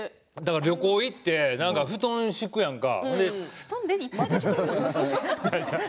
旅行に行って布団敷くやんか。